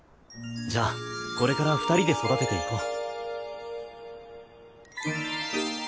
じゃあこれから二人で育てていこう。